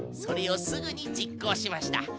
それをすぐにじっこうしました。